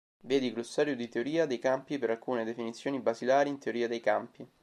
Vedi Glossario di teoria dei campi per alcune definizioni basilari in teoria dei campi.